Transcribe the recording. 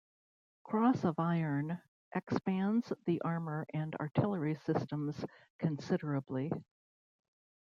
Cross of Iron expands the armor and artillery systems considerably.